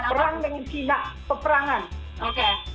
perang dengan china peperangan